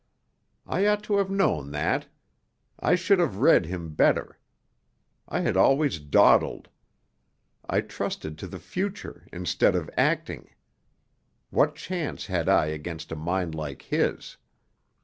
I ought to have known that. I should have read him better. I had always dawdled. I trusted to the future, instead of acting. What chance had I against a mind like his?